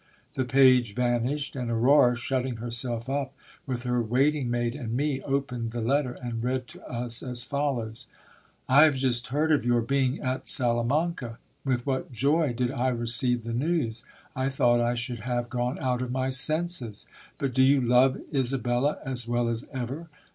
The page vanished, and Aurora shutting herself up with her waiting maid and me, opened the letter, and read to us as follows :— "I have just heard of your being at Salamanca. With what joy did I receive the news ! I thought I should have gone out of my senses. But do you love Isabella as well as ever